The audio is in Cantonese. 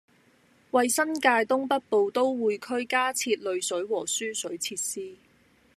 為新界東北部都會區加設濾水和輸水設施